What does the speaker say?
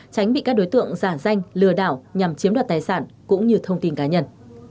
tránh bị các đối tượng giả danh lừa đảo nhằm chiếm đoạt tài sản cũng như thông tin cá nhân